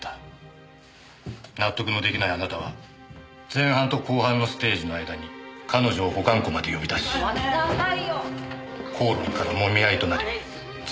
納得の出来ないあなたは前半と後半のステージの間に彼女を保管庫まで呼び出し口論から揉み合いとなり突き飛ばして殺害。